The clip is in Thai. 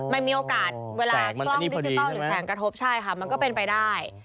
มันมีโอกาสเวลากล้องดิจิทัลหรือแสงกระทบใช่ค่ะมันก็เป็นไปได้